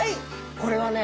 これはね